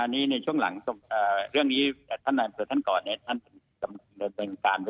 ๕๙นี่เหรอครับ